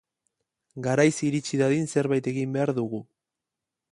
Garaiz irits dadin zerbait egin behar dugu.